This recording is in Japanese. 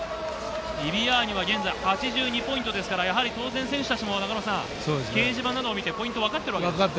ビリアーニは現在８２ポイントですから、やはり当然選手たちも中野さん、掲示板などを見てポイントを分かってるわけですね。